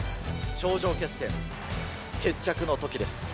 頂上決戦、決着の時です。